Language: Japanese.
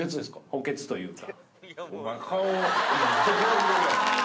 補欠というか。